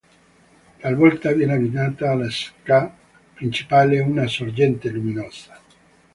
Talvolta viene abbinata all'esca principale una sorgente luminosa.